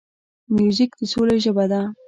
موزیک د سولې ژبه ده.